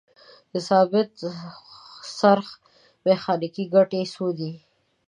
د ثابت څرخ میخانیکي ګټې څو دي؟